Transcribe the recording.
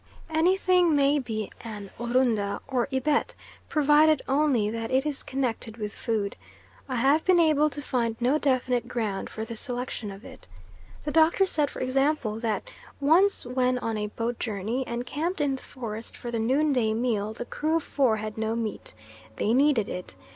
Anything may be an Orunda or Ibet provided only that it is connected with food; I have been able to find no definite ground for the selection of it. The Doctor said, for example, that "once when on a boat journey, and camped in the forest for the noon day meal, the crew of four had no meat. They needed it.